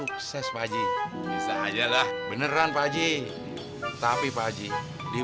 permisi kak rum pak ramadi